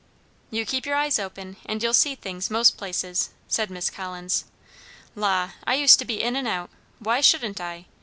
"You keep your eyes open, and you'll see things, most places," said Miss Collins. "La! I used to be in and out; why shouldn't I?